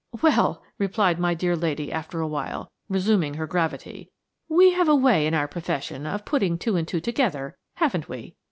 "Well," replied my dear lady after awhile, resuming her gravity, "we have a way in our profession of putting two and two together, haven't we?